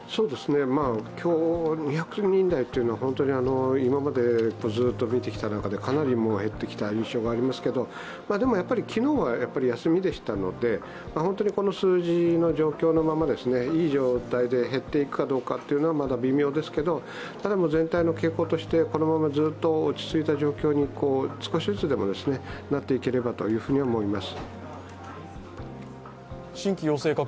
今日２００人台というのは、今までずっと見てきた中でかなり減ってきた印象がありますけれども、昨日は休みでしたので、本当にこの数字の状況のままいい状態で減っていくかどうかというのはまだ微妙ですけれども、ただ全体の傾向として、このまま落ち着いた状況に少しずつでも、なっていければと思います。